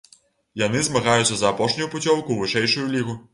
Яны змагаюцца за апошнюю пуцёўку ў вышэйшую лігу.